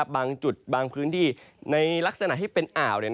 บางจุดบางพื้นที่ในลักษณะที่เป็นอ่าว